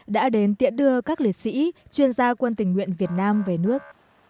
đã đến tiễn đưa các liệt sĩ chuyên gia quân tình nguyện việt nam về nước